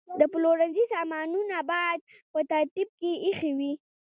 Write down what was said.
د پلورنځي سامانونه باید په ترتیب کې ایښي وي.